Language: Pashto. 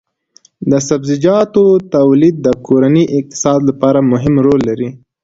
د سبزیجاتو تولید د کورني اقتصاد لپاره مهم رول لري.